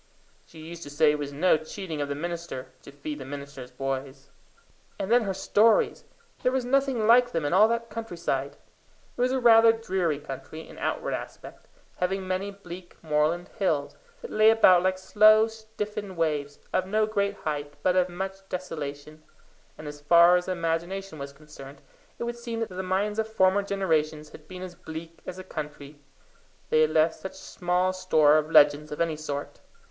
She used to say it was no cheating of the minister to feed the minister's boys. And then her stories! There was nothing like them in all that countryside. It was rather a dreary country in outward aspect, having many bleak moorland hills, that lay about like slow stiffened waves, of no great height but of much desolation; and as far as the imagination was concerned, it would seem that the minds of former generations had been as bleak as the country, they had left such small store of legends of any sort.